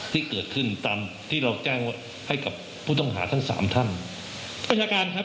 ที่เกิดขึ้นตามที่เราแจ้งให้กับผู้ต้องหาทั้งสามท่านผู้บัญชาการครับ